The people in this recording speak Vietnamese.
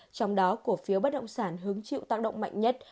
trong đó cổ phiếu bất động sản hứng chịu tác động mạnh nhất